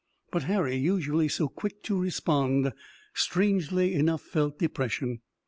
But Harry, usually so quick to respond, strangely enough felt depression.